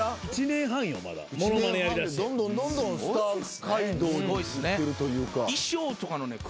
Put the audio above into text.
１年半でどんどんどんどんスター街道行ってるというか。